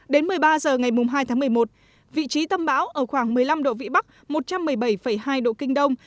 đến một mươi ba h ngày hai tháng một mươi một vị trí tâm bão ở khoảng một mươi năm độ vĩ bắc một trăm một mươi bảy hai độ kinh đông